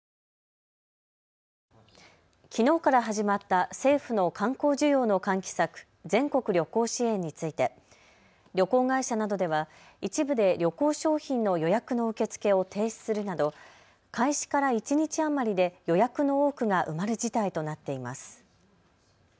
きのうから始まった政府の観光需要の喚起策、全国旅行支援について旅行会社などでは一部で旅行商品の予約の受け付けを停止するなど開始から一日余りで予約の多くが埋まる事態となっています。